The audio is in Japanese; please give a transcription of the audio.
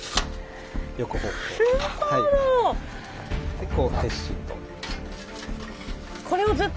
でこう鉄心と。